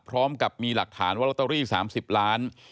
พร้อมกับมีหลักฐานว่าลอตเตอรี่๓๐ล้าน